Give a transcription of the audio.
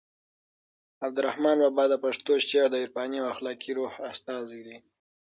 عبدالرحمان بابا د پښتو شعر د عرفاني او اخلاقي روح استازی دی.